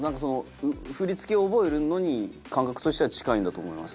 振り付けを覚えるのに感覚としては近いんだと思います。